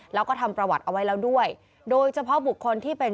แล้วก็ทำประวัติเอาไว้แล้วด้วยโดยเฉพาะบุคคลที่เป็น